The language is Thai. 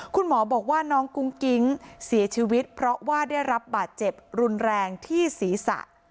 คุณหมอบอกว่าน้องกุ้งกิ๊งเสียชีวิตเพราะว่าได้รับบาดเจ็บรุนแรงที่ศีรษะ